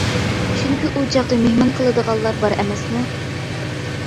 چۈنكى ئۇ چاغدا مېھمان قىلىدىغانلار بار ئەمەسمۇ.